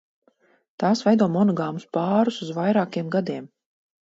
Tās veido monogāmus pārus uz vairākiem gadiem.